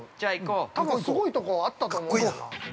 ◆多分すごいとこ、あったと思う。